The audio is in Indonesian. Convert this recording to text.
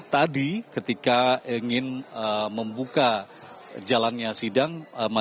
tadi ketika ingin membuka jalannya sidang